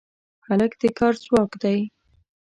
هلک د کار ځواک دی.